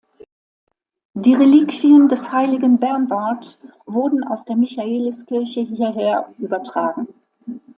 Die Reliquien des heiligen Bernward wurden aus der Michaeliskirche hierher übertragen.